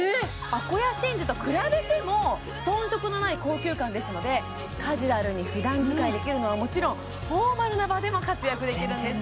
アコヤ真珠と比べても遜色のない高級感ですのでカジュアルに普段使いできるのはもちろんフォーマルな場でも活躍できるんですよ